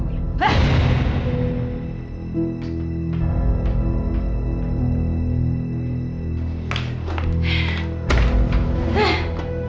sampai jumpa lagi